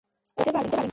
ও পালাতে পারবে না।